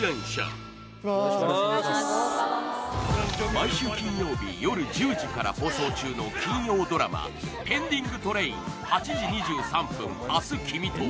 毎週金曜日夜１０時から放送中の金曜ドラマ「ペンディングトレイン―８時２３分、明日君と」